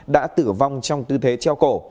đã tử vong trong tư thế treo cổ